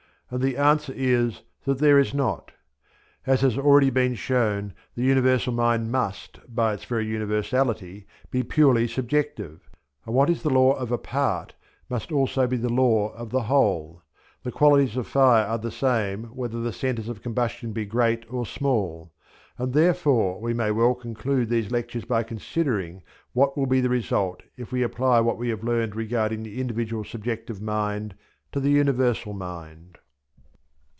and the answer is that there is not. As has been already shown the Universal Mind must, by its very universality, be purely subjective, and what is the law of a part must also be the law of the whole: the qualities of fire are the same whether the centres of combustion be great or small, and therefore we may well conclude these lectures by considering what will be the result if we apply what we have learnt regarding the individual subjective mind to the Universal Mind.